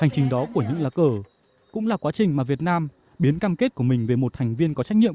trong quá trình mà việt nam biến cam kết của mình về một thành viên có trách nhiệm